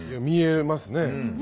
見えますね。